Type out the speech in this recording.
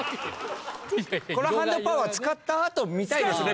これハンドパワー使った後見たいですね。